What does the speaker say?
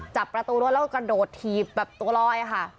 จับประตูรถแล้วก็กระโดดถีบแบบตัวลอยค่ะ